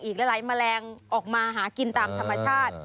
อีกหลายแมลงออกมาหากินตามธรรมชาติ